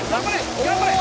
頑張れ